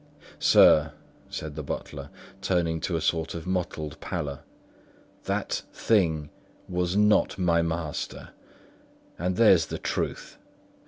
"Sir," said the butler, turning to a sort of mottled pallor, "that thing was not my master, and there's the truth.